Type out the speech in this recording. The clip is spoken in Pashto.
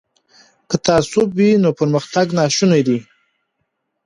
که تعصب وي نو پرمختګ ناشونی دی.